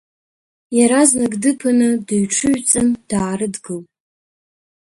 Иаразнак дыԥаны дыҩҽыжәҵын даарыдгылт.